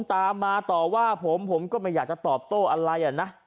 ตามมาต่อว่าผมผมก็ไม่อยากจะตอบโต้อะไรอ่ะนะ